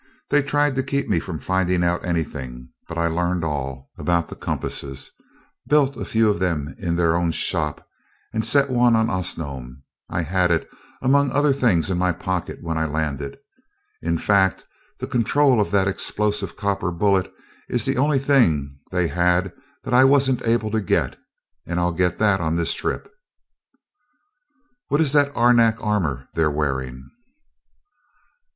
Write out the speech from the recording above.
They tried to keep me from finding out anything, but I learned all about the compasses, built a few of them in their own shop, and set one on Osnome. I had it, among other things, in my pocket when I landed. In fact, the control of that explosive copper bullet is the only thing they had that I wasn't able to get and I'll get that on this trip." "What is that arenak armor they're wearing?"